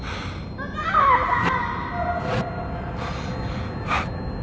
お母さん！